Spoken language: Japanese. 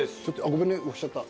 ごめんね押しちゃった。